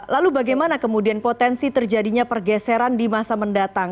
lalu bagaimana kemudian potensi terjadinya pergeseran di masa mendatang